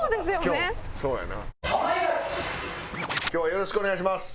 よろしくお願いします。